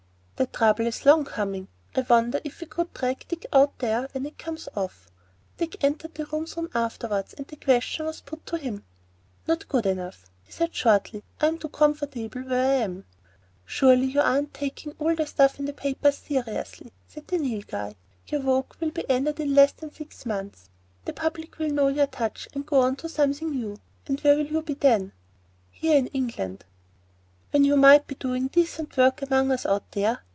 "That trouble is long coming. I wonder if we could drag Dick out there when it comes off?" Dick entered the room soon afterwards, and the question was put to him. "Not good enough," he said shortly. "I'm too comf'y where I am." "Surely you aren't taking all the stuff in the papers seriously?" said the Nilghai. "Your vogue will be ended in less than six months,—the public will know your touch and go on to something new,—and where will you be then?" "Here, in England." "When you might be doing decent work among us out there?